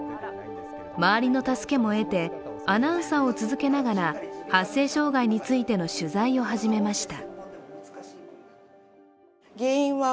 周りの助けも得て、アナウンサーを続けながら発声障害についての取材を始めました。